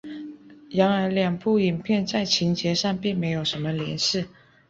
然而两部影片在情节上并没有什么联系。